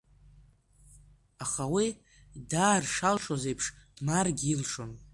Аха уи, даар шалшоз еиԥш, дмааргьы илшон.